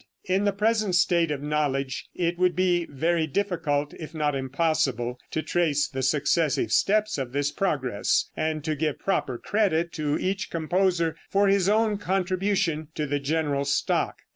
In the present state of knowledge it would be very difficult, if not impossible, to trace the successive steps of this progress, and to give proper credit to each composer for his own contribution to the general stock.